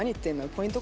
ポイント